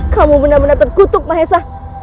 kamu benar benar terkutuk mahesa